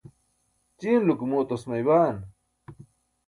ćiinaulo ke muu atosmay baan